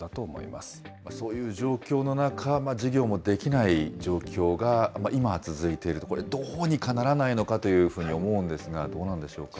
そういう状況の中、事業もできない状況が、今は続いていると、これ、どうにかならないのかというふうに思うんですが、どうなんでしょうか。